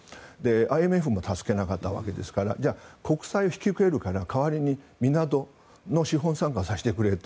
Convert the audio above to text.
ＩＭＦも助けなかったわけですからじゃあ国債を引き受けるから代わりに港に資本参加させてくれと。